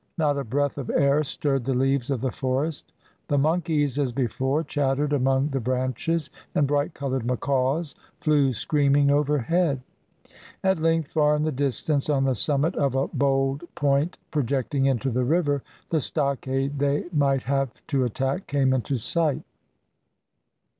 Not a breath of air stirred the leaves of the forest; the monkeys, as before, chattered among the branches, and bright coloured macaws flew screaming overhead. At length, far in the distance, on the summit of a bold point projecting into the river, the stockade they might have to attack came into sight.